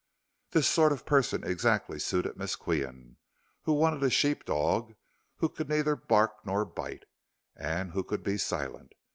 This sort of person exactly suited Miss Qian, who wanted a sheep dog who could neither bark nor bite, and who could be silent.